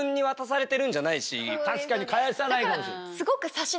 確かに返さないかもしれない。